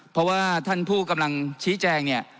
เพราะว่าท่านผู้กำลังชี้แจงเนี่ย